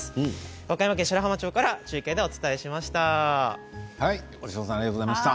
和歌山県白浜町から中継でお伝えしました。